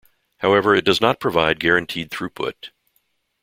However, it does not provide guaranteed throughput.